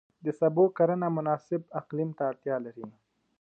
د سبو کرنه مناسب اقلیم ته اړتیا لري.